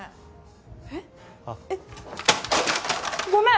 えっえっごめん！